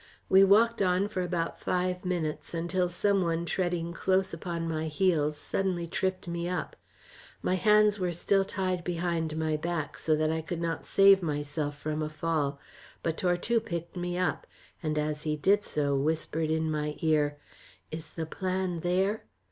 We walked on for about five minutes, until some one treading close upon my heels suddenly tripped me up. My hands were still tied behind my back, so that I could not save myself from a fall. But Tortue picked me up, and as he did so whispered in my ear: "Is the plan there?"